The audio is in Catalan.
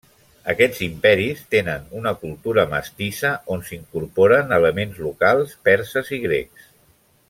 Aquests imperis tenen una cultura mestissa on s'incorporen elements locals, perses i grecs.